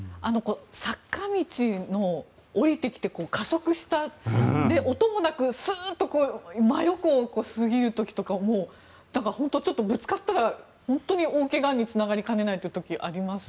坂道を下りてきて加速した音もなくスーッと真横を過ぎる時とかもう、だから本当にぶつかったら大怪我につながりかねないという時あります。